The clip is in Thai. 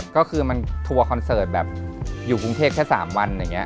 ก็คือมันทัวร์คอนเสิร์ตอยู่กรุงเทคเถ็บ๓วัน